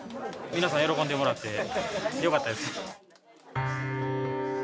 皆さん、喜んでもらって、よかったです。